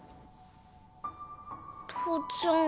父ちゃん。